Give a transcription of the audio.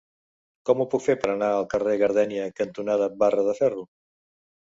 Com ho puc fer per anar al carrer Gardènia cantonada Barra de Ferro?